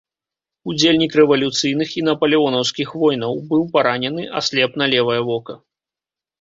Удзельнік рэвалюцыйных і напалеонаўскіх войнаў, быў паранены, аслеп на левае вока.